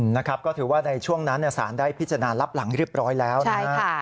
นะครับก็ถือว่าในช่วงนั้นสารได้พิจารณารับหลังเรียบร้อยแล้วนะฮะ